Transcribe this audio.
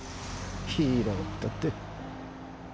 ヒーローったって。